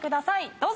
どうぞ。